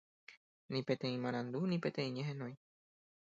ni peteĩ marandu, ni peteĩ ñehenói